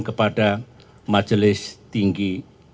kepada majelis tinggi